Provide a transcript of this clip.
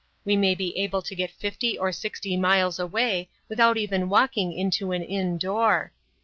We may be able to get fifty or sixty miles away without even walking into an inn door.